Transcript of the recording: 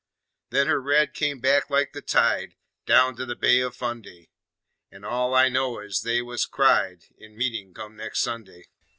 Then her red come back like the tide Down to the Bay o' Fundy, An' all I know is they was cried In meetin' come nex' Sunday.